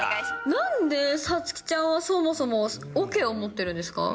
なんで、さつきちゃんはそもそも、おけを持ってるんですか？